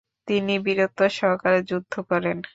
তিনি বীরত্ব সহকারে যুদ্ধ করেন।